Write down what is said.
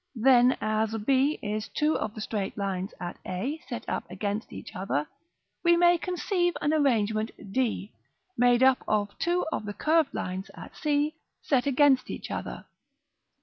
Then, as b is two of the straight lines at a, set up against each other, we may conceive an arrangement, d, made up of two of the curved lines at c, set against each other.